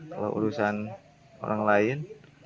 kalau urusan orang lain